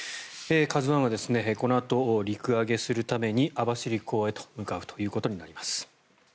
「ＫＡＺＵ１」はこのあと陸揚げするために網走港へと向かうということになります。